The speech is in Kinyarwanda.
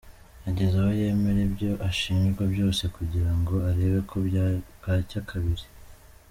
Yageze aho yemera ibyo ashinjwa byose kugira ngo arebe ko bwacya kabiri.